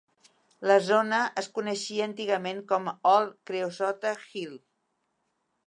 La zona es coneixia antigament com Old Creosote Hill.